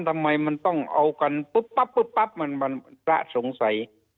ทำไมมันต้องเอากันปุ๊บปั๊บปุ๊บปั๊บมันพระสงสัย